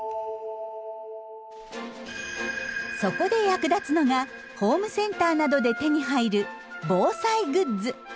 そこで役立つのがホームセンターなどで手に入る防災グッズ。